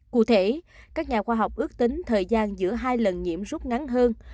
cụ thể các nhà khoa học ước tính thời gian giữa hai lần nhiễm rút ngắn hơn